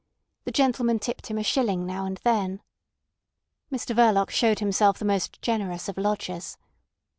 The gentlemen tipped him a shilling now and then. Mr Verloc showed himself the most generous of lodgers.